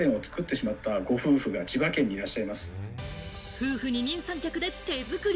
夫婦二人三脚で手づくり。